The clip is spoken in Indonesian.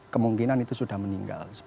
kemungkinan itu sudah meninggal